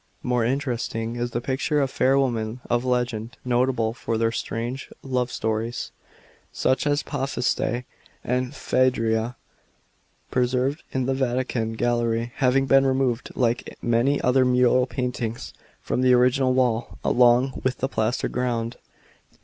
More interesting is the picture of fair women of legend, notable for their strange love stories — such as Pasiphae and Phaedra — preserved in the Vatican gallery, having been removed, like many other mural paintings, from the original wall, along with the plaster ground.